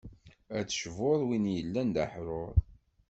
Ad d-tecbuḍ win yellan d aḥrur.